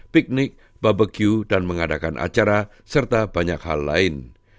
piknik babeque dan mengadakan acara serta banyak hal lain